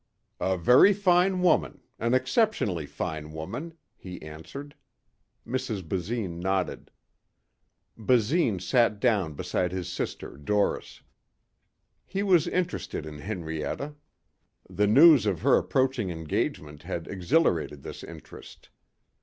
"A very fine woman. An exceptionally fine woman," he answered. Mrs. Basine nodded. Basine sat down beside his sister Doris. He was interested in Henrietta. The news of her approaching engagement had exhilarated this interest.